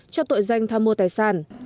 cho tội danh tham mô tài sản